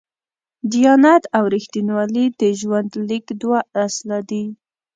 دیانت او رښتینولي د ژوند لیک دوه اصله دي.